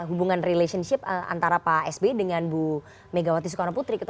hubungan relationship antara pak sby dengan bu megawati soekarno putri